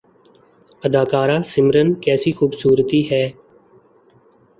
اداکارہ سمرن کیسی خوبصورتی ہے